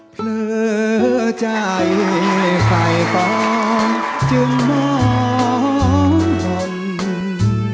เพลือใจใครต้องจึงมองก่อนหนึ่ง